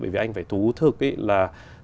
bởi vì anh phải thú thực ấy là